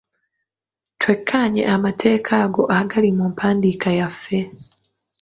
Twekkaanye amateeka ago agali mu mpandiika yaffe.